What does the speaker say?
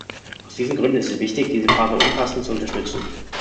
Aus diesen Gründen ist es wichtig, diese Phase umfassend zu unterstützen.